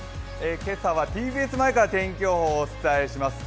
今朝はＴＢＳ前から天気予報をお伝えします。